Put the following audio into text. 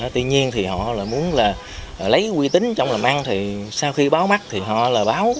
tuy nhiên thì họ lại muốn là lấy quy tính trong làm ăn thì sau khi báo mắt thì họ là báo